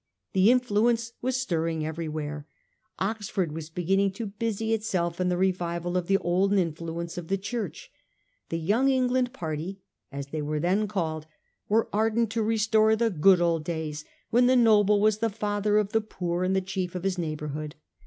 The influence was stirring everywhere. Ox ford was beginning to busy itself in the revival of the olden influence of the Church. The Young England party, as they were then called, were ardent to restore the good old days when the noble was the father of the poor and the chief of his neighbourhood.